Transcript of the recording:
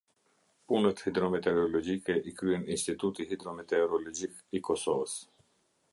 Punët hidrometeorologjike i kryen Instituti Hidrometeorologjik i Kosovës.